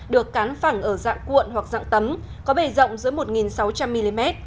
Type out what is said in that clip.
được cán phẳng ở dạng cuộn hoặc dạng tấm có bề rộng dưới một sáu trăm linh mm